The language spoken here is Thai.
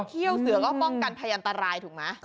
เขี้ยวเสือก็ป้องกันพยันตรายถูกไหม